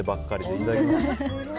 いただきます。